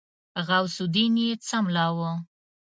غوث الدين يې څملاوه.